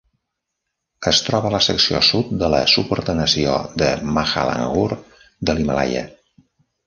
Es troba a la secció sud de la subordenació de Mahalangur de l'Himàlaia.